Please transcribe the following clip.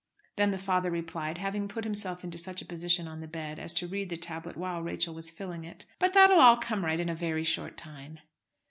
Then the father replied, having put himself into such a position on the bed as to read the tablet while Rachel was filling it: "But that'll all come right in a very short time."